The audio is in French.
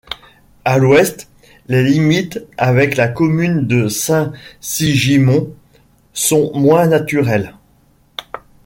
À l'ouest, les limites avec la commune de Saint-Sigismond sont moins naturelles.